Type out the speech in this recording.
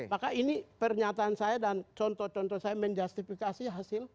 maka ini pernyataan saya dan contoh contoh saya menjustifikasi hasil